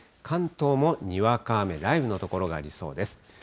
関東もにわか雨、雷雨の所がありそうです。